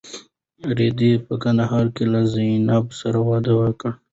رېدی په کندهار کې له زینب سره واده کوي.